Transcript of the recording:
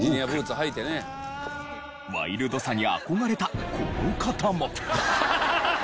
ワイルドさに憧れたこの方も。